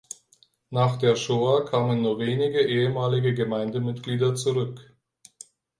Nach der Schoah kamen nur wenige ehemalige Gemeindemitglieder zurück.